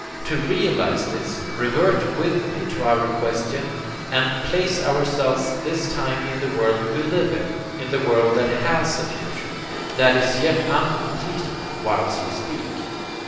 To realize this, revert with me to our question, and place yourselves this time in the world we live in, in the world that HAS a future, that is yet uncompleted whilst we speak.